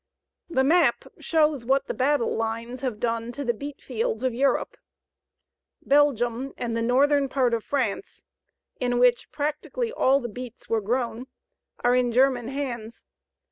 The map shows what the battle lines have done to the beetfields of Europe. Belgium and the northern part of France, in which practically all the beets were grown, are in German hands.